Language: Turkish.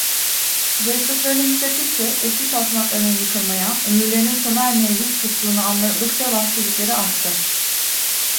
Zayıflıklarını hissettikçe, eski saltanatlarının yıkılmaya, ömürlerinin sona ermeye yüz tutuğunu anladıkça vahşilikleri arttı.